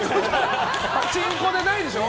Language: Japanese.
パチンコでないでしょ。